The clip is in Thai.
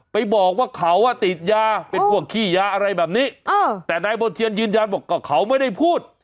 ไปบอกว่าเขาติดยาเป็นพวกขี้ยาอะไรแบบนี้แต่นายมณ์เทียนยืนยันบอกก็เขาไม่ได้พูด